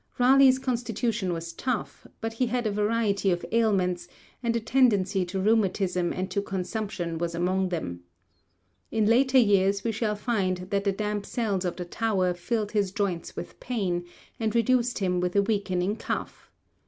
Raleigh's constitution was tough, but he had a variety of ailments, and a tendency to rheumatism and to consumption was among them. In later years we shall find that the damp cells of the Tower filled his joints with pain, and reduced him with a weakening cough.